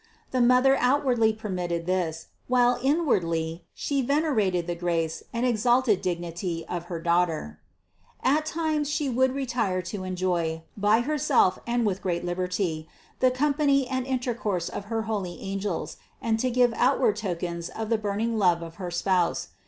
The mother outwardly permitted this, while inwardly She venerated the grace and exalted dig nity of her Daughter. 403. At times She would retire to enjoy, by Herself and with greater liberty, the company and intercourse of her holy angels and to give outward tokens of the burn ing love of her Spouse.